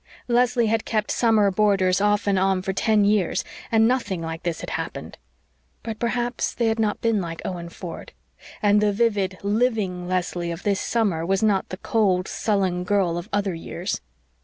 Leslie had kept summer boarders off and on for ten years, and nothing like this had happened. But perhaps they had not been like Owen Ford; and the vivid, LIVING Leslie of this summer was not the cold, sullen girl of other years.